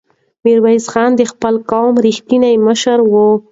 میرویس خان د خپل قوم رښتینی مشر و.